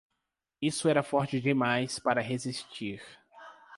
Isso era forte demais para resistir.